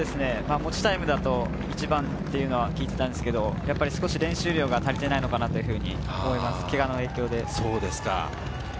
持ちタイムだと一番っていうのは聞いていたんですけど、少し練習量が足りていないのかなと思います、けがの影響で。